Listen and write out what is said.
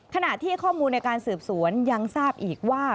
ขณะที่ข้อมูลในการสืบสวนยังทราบอีกว่า